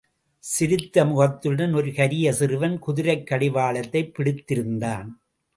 சிரித்த முகத்துடன் ஒரு கரிய சிறுவன், குதிரைக் கடிவாளத்தைப் பிடித்திருந்தான்.